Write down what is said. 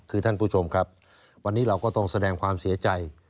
คือท่านผู้ชมครับวันนี้เราก็ต้องแสดงความเสียใจ